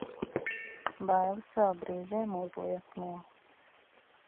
Bailes vēl brīžiem uzliesmo.